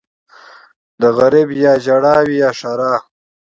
ـ د غريب يا ژړا وي يا ښېرا.